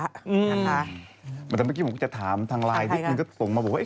เหมือนกันเมื่อกี้ผมก็จะถามทางไลน์ที่คุณก็ส่งมาบอกว่า